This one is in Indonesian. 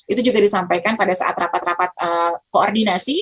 itu juga disampaikan pada saat rapat rapat koordinasi